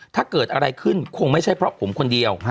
ถ้าเกิดอะไรขึ้นคงไม่ใช่เพราะผมคนเดียว